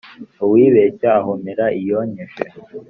Uwibeshya ahomera iyonkeje.